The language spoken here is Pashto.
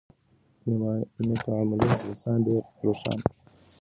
نېک عملونه د انسان قبر روښانه کوي.